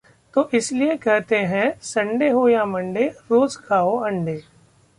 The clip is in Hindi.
...तो इसीलिए कहते हैं 'संडे हो या मंडे, रोज खाओ अंडे'